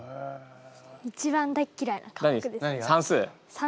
一番大っ嫌いな科目ですね。